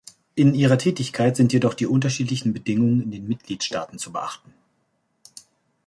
In ihrer Tätigkeit sind jedoch die unterschiedlichen Bedingungen in den Mitgliedstaaten zu beachten.